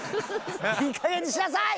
いいかげんにしなさい！